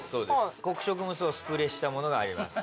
黒色無双をスプレーしたものがあります